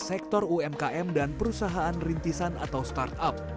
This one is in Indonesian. sektor umkm dan perusahaan rintisan atau startup